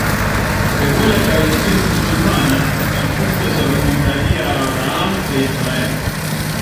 Según la tradición musulmana, su culto se remontaría a Abraham e Ismael.